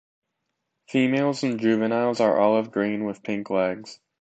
Females and juveniles are olive-green with pink legs.